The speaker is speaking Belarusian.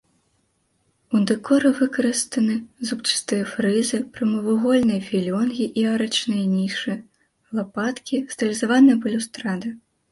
У дэкоры выкарыстаны зубчастыя фрызы, прамавугольныя філёнгі і арачныя нішы, лапаткі, стылізаваная балюстрада.